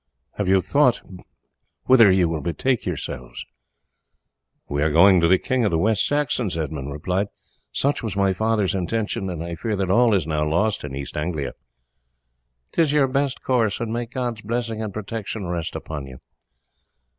Have you bethought you whither you will betake yourselves?" "We are going to the king of the West Saxons," Edmund replied. "Such was my father's intention, and I fear that all is now lost in East Anglia." "'Tis your best course, and may God's blessing and protection rest upon you!"